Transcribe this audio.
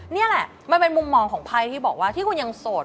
นี่แหละมันเป็นมุมมองของไพ่ที่บอกว่าที่คุณยังโสด